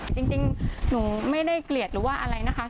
จริงหนูไม่ได้เกลียดหรือว่าอะไรนะคะ